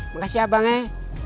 makasih abang eh